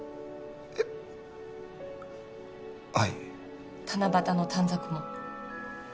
えっはい七夕の短冊も？